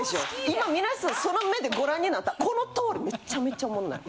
今皆さんその目でご覧になったこの通りめちゃめちゃおもんない。